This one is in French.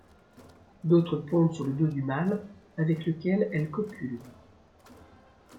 D'autres pondent sur le dos du mâle avec lequel elles copulent.